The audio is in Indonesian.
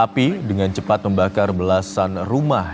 api dengan cepat membakar belasan rumah